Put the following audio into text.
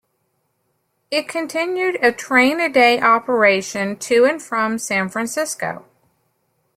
It continued a train-a-day operation to and from San Francisco.